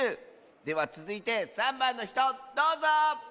ではつづいて３ばんのひとどうぞ！